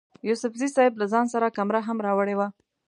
یوسفزي صیب له ځان سره کمره هم راوړې وه.